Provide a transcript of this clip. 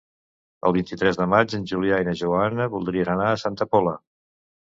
El vint-i-tres de maig en Julià i na Joana voldrien anar a Santa Pola.